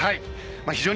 非常に。